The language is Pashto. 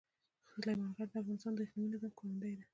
سلیمان غر د افغانستان د اقلیمي نظام ښکارندوی ده.